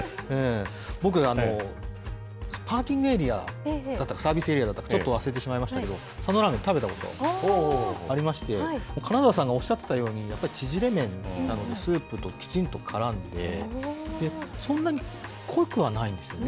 僕、パーキングエリアだったか、サービスエリアだったか、ちょっと忘れてしまいましたけれども、佐野らーめん、食べたことありまして、金澤さんがおっしゃっていたように、やっぱり縮れ麺なので、スープときちんとからんで、そんなに濃くはないんですよね。